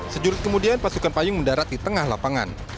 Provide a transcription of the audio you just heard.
sejurus kemudian pasukan payung mendarat di tengah lapangan